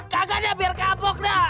kaga deh biar kampok dah